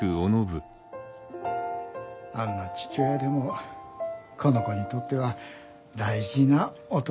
あんな父親でもこの子にとっては大事なおと